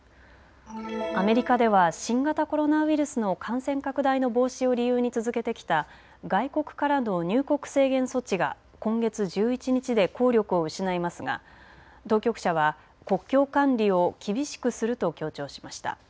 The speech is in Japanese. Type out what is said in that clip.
アメリカでは新型コロナウイルスの感染拡大の防止を理由に続けてきた外国からの入国制限措置が今月１１日で効力を失いますが当局者は国境管理を厳しくすると強調しました。